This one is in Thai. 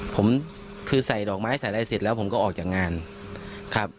ผมคือใส่ดอกไม้ใส่อะไรเสร็จแล้วผมก็ออกจากงานครับ